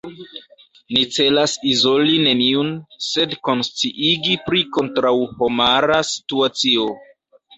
Ni celas izoli neniun, sed konsciigi pri kontraŭhomara situacio.